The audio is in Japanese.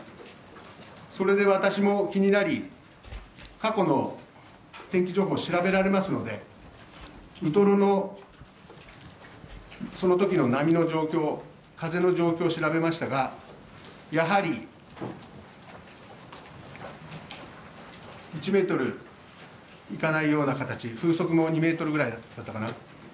それで私も気になり、過去の天気情報を調べられますのでウトロのそのときの波の状況、風の状況を調べましたがやはり１メートルいかないような形風速も２メートルぐらいだったかな